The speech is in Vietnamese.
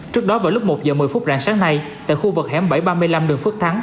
trước đó vào lúc một giờ một mươi phút rạng sáng nay tại khu vực hẻm bảy trăm ba mươi năm đường phước thắng